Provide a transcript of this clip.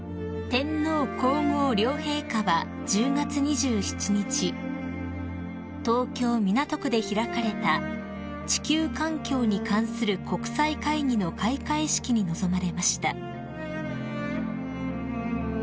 ［天皇皇后両陛下は１０月２７日東京港区で開かれた地球環境に関する国際会議の開会式に臨まれました］